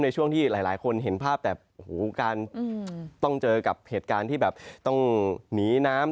ในช่วงที่หลายคนเห็นภาพแต่โอ้โหการต้องเจอกับเหตุการณ์ที่แบบต้องหนีน้ำ